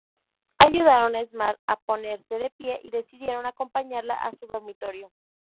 Ayudaron a Smart a ponerse de pie y decidieron acompañarla a su dormitorio.